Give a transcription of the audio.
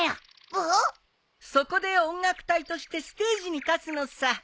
そこで音楽隊としてステージに立つのさ。